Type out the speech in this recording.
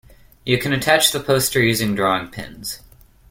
You can attach the poster using drawing pins